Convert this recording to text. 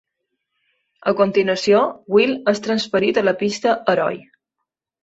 A continuació, Will és transferit a la pista "Heroi".